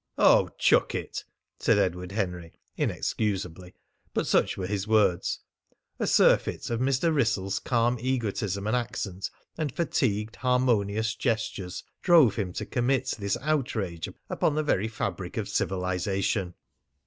"Oh, chuck it!" said Edward Henry inexcusably but such were his words. A surfeit of Mr. Wrissell's calm egotism and accent and fatigued harmonious gestures drove him to commit this outrage upon the very fabric of civilisation.